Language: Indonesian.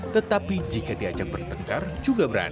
tetapi jika diajak bertengkar juga berani